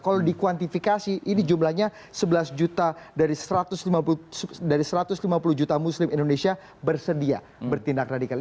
kalau dikuantifikasi ini jumlahnya sebelas juta dari satu ratus lima puluh juta muslim indonesia bersedia bertindak radikal